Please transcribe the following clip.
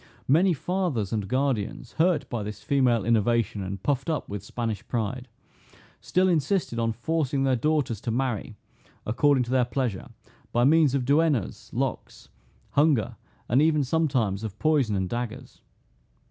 Many fathers and guardians, hurt by this female innovation, and puffed up with Spanish pride, still insisted on forcing their daughters to marry according to their pleasure, by means of duennas, locks, hunger, and even sometimes of poison and daggers.